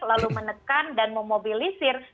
lalu menekan dan memobilisir